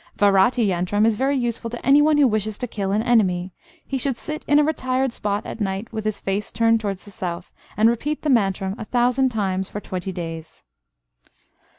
Varati yantram is very useful to any one who wishes to kill an enemy. He should sit in a retired spot at night, with his face turned towards the south, and repeat the mantram a thousand times for twenty days.